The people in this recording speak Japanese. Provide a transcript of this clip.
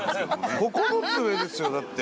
９つ上ですよだって。